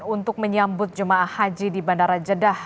untuk menyambut jemaah haji di bandara jeddah